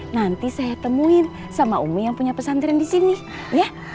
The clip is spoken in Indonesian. nanti saya temuin sama umi yang punya pesantren di sini ya